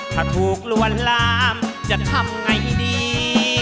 ถ้าถูกลวนลามจะทำไงดี